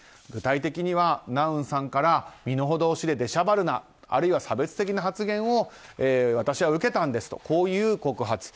具体的には、ナウンさんから身の程を知れでしゃばるなあるいは差別的な発言を私は受けたんですという告発。